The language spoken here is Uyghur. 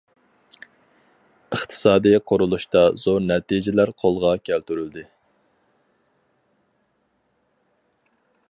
ئىقتىسادىي قۇرۇلۇشتا زور نەتىجىلەر قولغا كەلتۈرۈلدى.